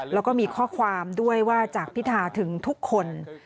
แล้วก็มีข้อความด้วยว่าจากพิธาถึงทุกคน